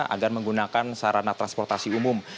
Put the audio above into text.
agar menggunakan sarana transportasi umum